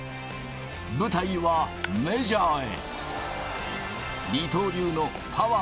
舞台はメジャーへ。